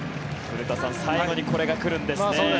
古田さん最後にこれが来るんですね。